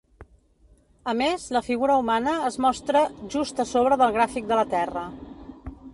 A més, la figura humana es mostra just a sobre del gràfic de la Terra.